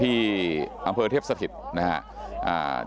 ที่อำเภอเทพศรักษณ์นะฮะอะไรนะคะ